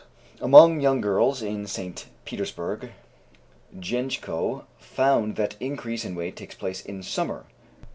Among young girls in St. Petersburg, Jenjko found that increase in weight takes place in summer.